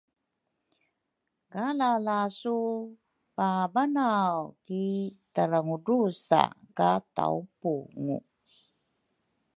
ka lalasu pabanaw ki tarangudrusa ka tawpungu.